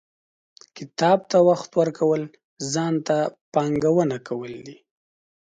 • کتاب ته وخت ورکول، ځان ته پانګونه کول دي.